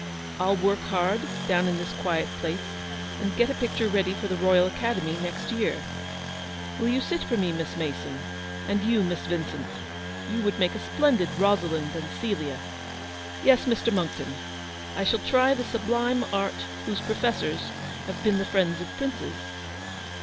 I'll work hard, down in this quiet place, and get a picture ready for the Royal Academy next year. Will you sit for me, Miss Mason ? and you, Miss Vincent ? you would make a splendid Rosalind and Celia. Yes, Mr. Monckton, I shall try the sublime art whose professors have been the friends of princes."